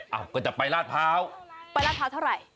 เอ้าก็จะไปราชเผาไปราชเผาเท่าไหร่